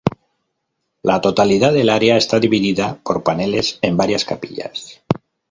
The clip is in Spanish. La totalidad del área está dividida por paneles en varias capillas.